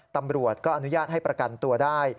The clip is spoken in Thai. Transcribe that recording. ตำรวจก็อนุญาตให้ประกันตัวได้